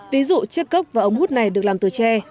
ví dụ chiếc cốc và ống hút này được làm từ tre